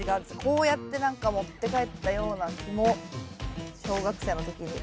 こうやって何か持って帰ったような気も小学生の時に。